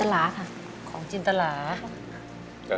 มีหลายช่วงในวิดีโอออกงาน